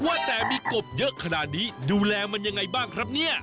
ว่าแต่มีกบเยอะขนาดนี้ดูแลมันยังไงบ้างครับเนี่ย